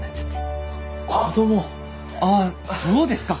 あそうですか。